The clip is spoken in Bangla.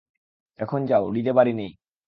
এখন যাও, হৃদে বাড়ি নেই।